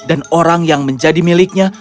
dan orang yang menjadi miliknya